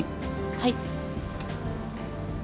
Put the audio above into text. はい。